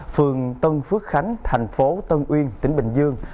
phường tân phước khánh thành phố tân uyên tỉnh bình dương